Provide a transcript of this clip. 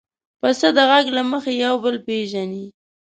پسه د غږ له مخې یو بل پېژني.